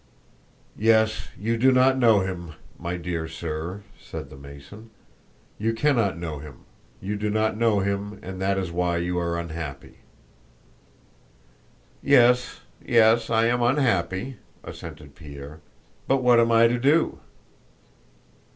"Yes, you do not know Him, my dear sir," said the Mason. "You cannot know Him. You do not know Him and that is why you are unhappy." "Yes, yes, I am unhappy," assented Pierre. "But what am I to do?"